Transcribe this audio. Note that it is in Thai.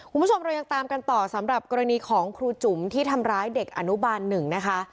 คุณผู้ชมเรายังตามกันต่อสำหรับกรณีของครูจุ๋มที่ทำร้ายเด็กอนุบาลหนึ่งนะคะ